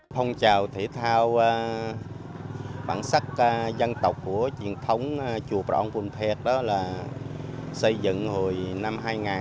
thông trào thể thao bản sắc dân tộc của truyền thống chùa bảo âu cùng thiệt đó là xây dựng hồi năm hai nghìn một